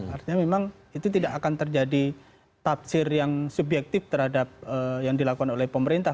artinya memang itu tidak akan terjadi tafsir yang subjektif terhadap yang dilakukan oleh pemerintah